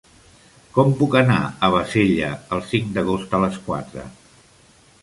Com puc anar a Bassella el cinc d'agost a les quatre?